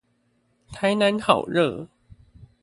台南好熱